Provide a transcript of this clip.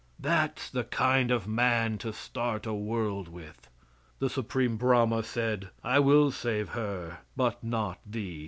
That's the kind of a man to start a world with. The Supreme Brahma said: "I will save her but not thee."